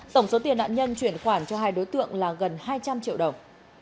tổng số tiền nạn nhân chuyển khoản cho hai đối tượng là gần hai trăm linh triệu đồng